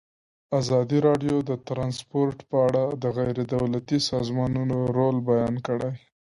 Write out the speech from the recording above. ازادي راډیو د ترانسپورټ په اړه د غیر دولتي سازمانونو رول بیان کړی.